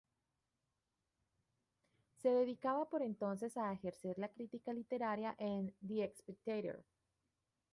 Se dedicaba por entonces a ejercer la crítica literaria en "The Spectator".